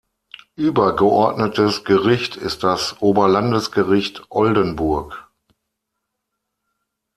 Übergeordnetes Gericht ist das Oberlandesgericht Oldenburg.